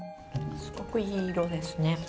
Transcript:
すごくいい色ですね。